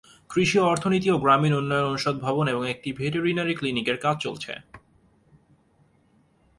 কৃষি অর্থনীতি ও গ্রামীণ উন্নয়ন অনুষদ ভবন এবং একটি ভেটেরিনারি ক্লিনিকের কাজ চলছে।